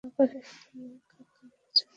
তোমার কাকামুচোতে রওনা দেওয়া উচিত।